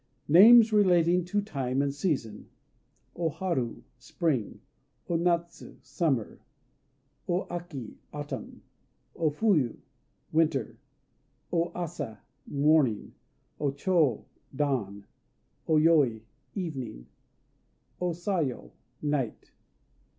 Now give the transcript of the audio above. NAMES RELATING TO TIME AND SEASON O Haru "Spring." O Natsu "Summer." O Aki "Autumn." O Fuyu "Winter." O Asa "Morning." O Chô "Dawn." O Yoi "Evening." O Sayo "Night."